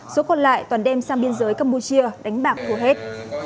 số còn lại toàn đem sang biên giới campuchia đánh bạc thua hết